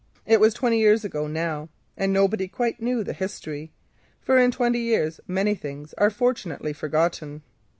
It was twenty years ago now, and nobody quite knew the history, for in twenty years many things are fortunately forgotten.